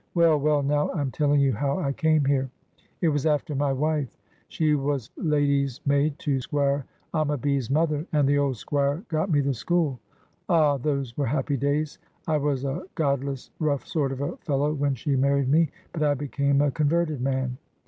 Well, well, now I'm telling you how I came here. It was after my wife. She was lady's maid to Squire Ammaby's mother, and the old Squire got me the school. Ah, those were happy days! I was a godless, rough sort of a fellow when she married me, but I became a converted man.